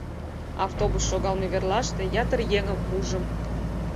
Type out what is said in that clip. Автобус шогалме верлаште ятыр еҥым ужым.